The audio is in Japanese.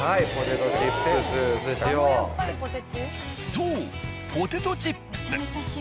そうポテトチップス。